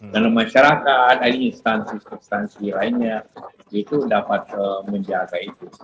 dalam masyarakat dari instansi substansi lainnya itu dapat menjaga itu